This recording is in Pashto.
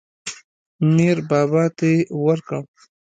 میر بابا ته یې ورکړ.